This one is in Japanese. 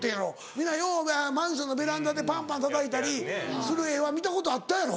皆ようマンションのベランダでパンパンたたいたりする画は見たことあったやろ？